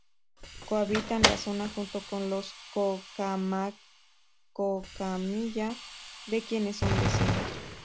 Cohabitan la zona junto con los cocama-cocamilla de quienes son vecinos.